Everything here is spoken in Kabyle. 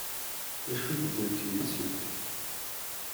D acu i d-wwint yid-sent?